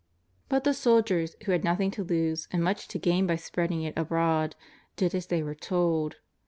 But the soldiers, who had nothing to lose and much to gain by spreading it abroad, did as they were told.